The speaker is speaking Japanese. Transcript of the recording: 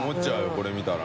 これ見たら。